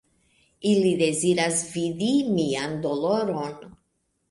"Ili deziras vidi mian doloron."